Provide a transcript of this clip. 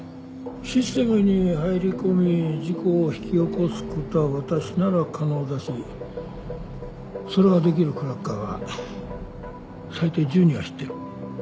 システムに入りこみ事故を引き起こすことは私なら可能だしそれができるクラッカーは最低１０人は知ってる。